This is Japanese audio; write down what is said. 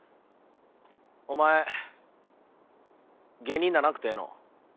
お前芸人ならんくてええの？